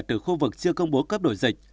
từ khu vực chưa công bố cấp độ dịch